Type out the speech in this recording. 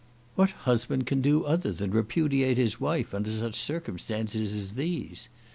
What husband can do other than repudiate his wife under such circumstances as these!